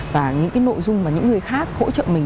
và những cái nội dung mà những người khác hỗ trợ mình